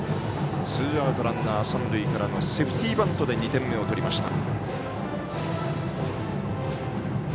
ツーアウト、ランナー三塁からのセーフティーバントで２点目を取りました。